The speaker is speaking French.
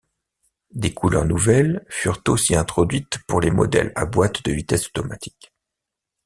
Des couleurs nouvelles furent aussi introduites pour les modèles à boîte de vitesses automatique.